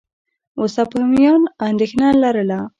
وسپاسیان اندېښنه لرله.